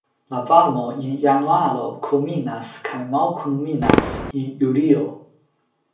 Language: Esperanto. La varmo en januaro kulminas kaj malkulminas en julio.